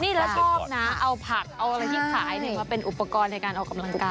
นี่แล้วชอบนะเอาผักเอาอะไรที่ขายมาเป็นอุปกรณ์ในการออกกำลังกาย